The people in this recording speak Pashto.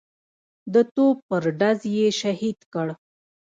د توپ پر ډز یې شهید کړ.